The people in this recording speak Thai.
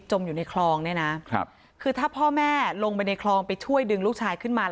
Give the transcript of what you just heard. อยู่ในคลองเนี่ยนะคือถ้าพ่อแม่ลงไปในคลองไปช่วยดึงลูกชายขึ้นมา